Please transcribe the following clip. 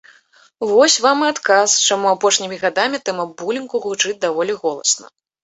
Вось вам і адказ, чаму апошнімі гадамі тэма булінгу гучыць даволі голасна.